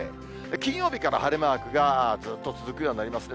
金曜日から晴れマークがずっと続くようになりますね。